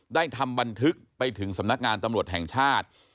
ทำบันทึกไปถึงสำนักงานตำรวจแห่งชาติ